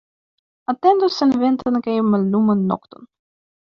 Atendu senventan kaj malluman nokton.